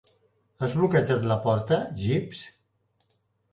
Has bloquejat la porta, Jeeves?